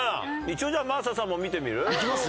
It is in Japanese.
一応じゃあ真麻さんも見てみる？いきます？